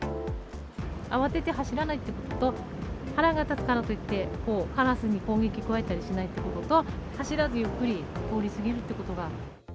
慌てて走らないということと、腹が立つからといって、カラスに攻撃を加えたりしないということと、走らずゆっくり通り過ぎるということが。